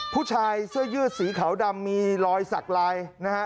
ผู้ชายเสื้อยืดสีขาวดำมีรอยสักลายนะฮะ